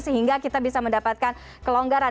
sehingga kita bisa mendapatkan kelonggaran